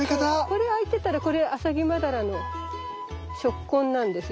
これあいてたらこれアサギマダラの食痕なんですよ。